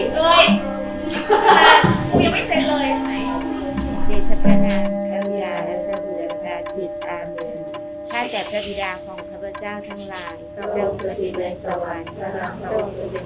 ก็ต้องสวัสดีในสวรรค์และหลังตรงจุดที่สรรพาลักษณ์